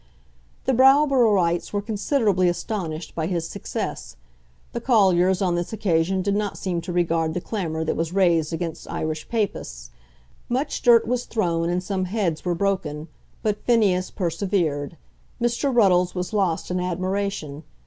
The Browboroughites were considerably astonished by his success. The colliers on this occasion did not seem to regard the clamour that was raised against Irish Papists. Much dirt was thrown and some heads were broken; but Phineas persevered. Mr. Ruddles was lost in admiration.